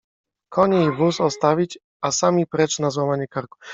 Konie i wóz ostawić, a sami precz na złamanie karku!